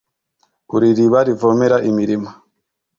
uri iriba rivomera imirima